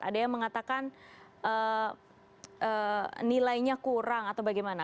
ada yang mengatakan nilainya kurang atau bagaimana